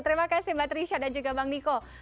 terima kasih mbak trisha dan juga bang niko